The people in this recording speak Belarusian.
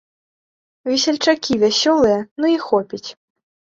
Весельчакі вясёлыя, ну і хопіць.